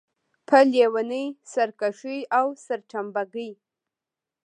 په لېونۍ سرکښۍ او سرتمبه ګۍ.